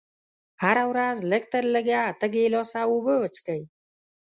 هره ورځ لږ تر لږه اته ګيلاسه اوبه وڅښئ.